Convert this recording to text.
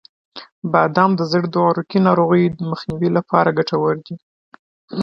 • بادام د زړه د عروقی ناروغیو مخنیوي لپاره ګټور دي.